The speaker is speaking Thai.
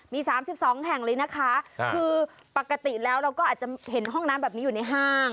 มี๓๒แห่งเลยนะคะคือปกติแล้วเราก็อาจจะเห็นห้องน้ำแบบนี้อยู่ในห้าง